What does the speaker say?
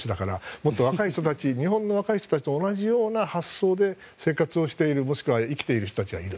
もっと日本の若い人たちと同じような発想で生活をしている、もしくは生きている人たちがいる。